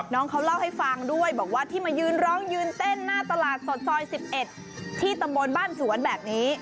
น้องเขาเล่าให้ฟังด้วยบอกว่าที่มายืนร้องยืนเต้นหน้าตลาดสดซอย๑๑ที่ตำบลบ้านสวนแบบนี้